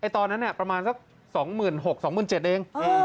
ตอนนั้นประมาณสัก๒๖๐๐๒๗๐๐เอง